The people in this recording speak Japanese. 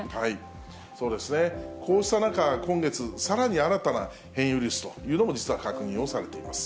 そうですね、こうした中、今月、さらに新たな変異ウイルスというのも、実は確認をされています。